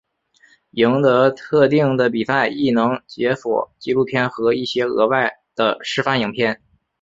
赢得特定的比赛亦能解锁纪录片和一些额外的示范影片。